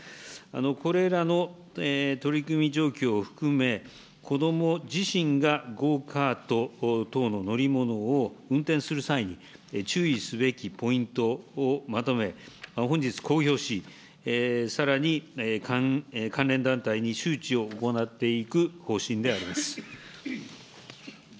これらの取り組み状況を含め、子ども自身がゴーカート等の乗り物を運転する際に、注意すべきポイントをまとめ、本日、公表し、さらに関連団体に周知を行っていく方針であります。